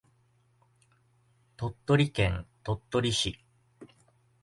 鳥取県鳥取市